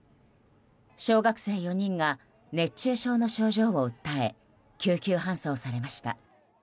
小学生４人が熱中症の症状を訴え救急搬送されました。